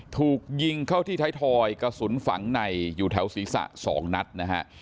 ถูกยิงเข้าที่ไทยทอยกระสุนฝังในอยู่แถวศีรษะ๒นัดนะฮะ